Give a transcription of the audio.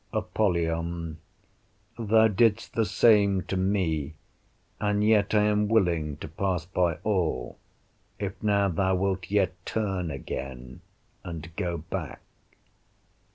Apollyon Thou didst the same to me, and yet I am willing to pass by all, if now thou wilt yet turn again and go back.